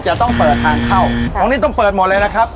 จะต้องเปิดทางเข้าตรงนี้ต้องเปิดหมดเลยนะครับ